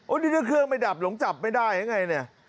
นี่ถ้าเครื่องไม่ดับหลงจับไม่ได้หรือไงเนี่ย